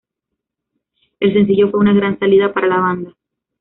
El sencillo fue una gran salida para la banda.